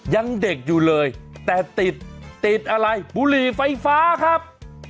ยังเด็กอยู่เลยแต่ติดติดอะไรบุหรี่ไฟฟ้าครับ